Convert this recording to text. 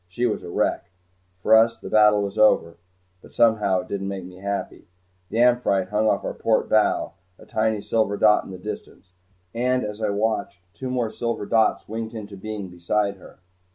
She was a wreck. For us the battle was over but somehow it didn't make me happy. The "Amphitrite" hung off our port bow, a tiny silver dot in the distance, and as I watched two more silver dots winked into being beside her.